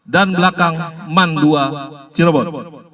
dan belakang mandua cirebon